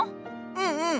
うんうん。